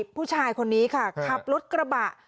ผู้ชายคนนี้ค่ะขับรถกระบะ